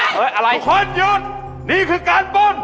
เฮ้ยทุกคนหยุดนี่คือการป้น